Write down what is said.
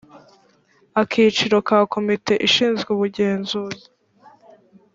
akiciro ka komite ishinzwe ubugenzuzi